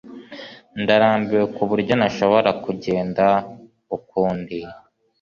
Ndarambiwe kuburyo ntashobora kugenda ukundi